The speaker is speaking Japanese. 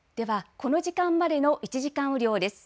この時間までの１時間雨量です。